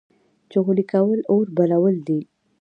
چغلي کول اور بلول دي